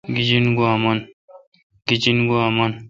گیجن گوا من۔